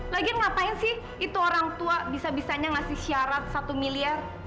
lagian ngapain sih itu orang tua bisa bisanya ngasih syarat satu miliar